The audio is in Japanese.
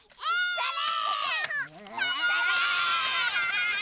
それ！